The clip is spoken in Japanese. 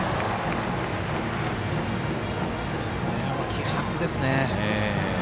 気迫ですね。